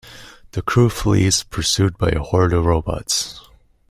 The crew flees, pursued by a horde of robots.